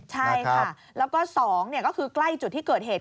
ใช่ค่ะแล้วก็๒ก็คือใกล้จุดที่เกิดเหตุ